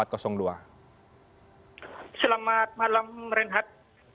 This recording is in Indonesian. selamat malam renhat